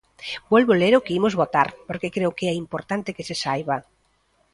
Volvo ler o que imos votar porque creo que é importante que se saiba.